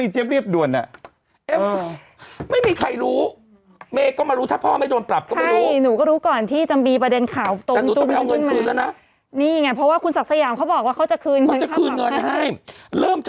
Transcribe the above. แต่อีกสิ่งนึงเมื่อวานนี้